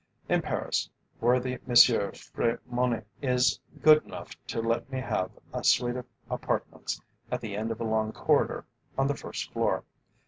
In Paris, worthy Monsieur Frezmony is good enough to let me have a suite of apartments at the end of a long corridor on the first floor.